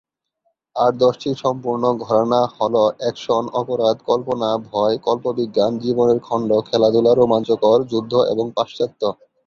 আর দশটি সম্পূর্ণ-ঘরানা হ'ল অ্যাকশন, অপরাধ, কল্পনা, ভয়, কল্পবিজ্ঞান, জীবনের খন্ড, খেলাধূলা, রোমাঞ্চকর, যুদ্ধ এবং পাশ্চাত্য।